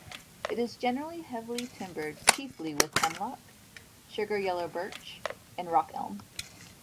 It is generally heavily timbered chiefly with Hemlock, Sugar Yellow Birch, and Rock Elm.